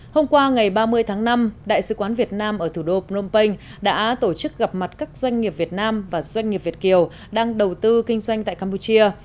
hôm qua ngày ba mươi tháng năm đại sứ quán việt nam ở thủ đô phnom penh đã tổ chức gặp mặt các doanh nghiệp việt nam và doanh nghiệp việt kiều đang đầu tư kinh doanh tại campuchia